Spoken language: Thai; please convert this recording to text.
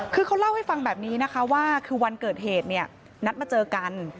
คือเขาเล่าให้ฟังแบบนี้นะคะว่าคือวันเกิดเหตุเนี่ยนัดมาเจอกัน